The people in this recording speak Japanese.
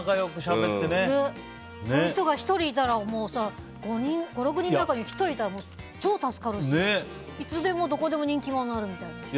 そういう人が５６人の中に１人いたら超助かるしいつでも、どこでも人気者になるみたいな。